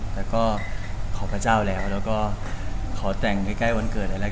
แต่ก็ขอพระเจ้าแล้วแล้วก็ขอแต่งใกล้วันเกิดแล้วละกัน